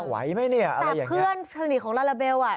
ไหวไหมเนี่ยอะไรอย่างเงี้เพื่อนสนิทของลาลาเบลอ่ะ